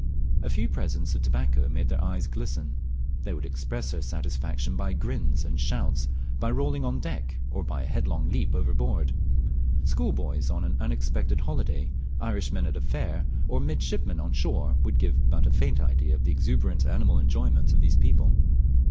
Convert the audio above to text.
A few presents of tobacco made their eyes glisten; they would express their satisfaction by grins and shouts, by rolling on deck, or by a headlong leap overboard. Schoolboys on an unexpected holiday, Irishmen at a fair, or mid shipmen on shore, would give but a faint idea of the exuberant animal enjoyment of these people.